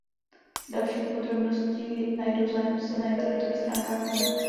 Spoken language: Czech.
Další podrobnosti najdou zájemci na internetových stránkách fondu.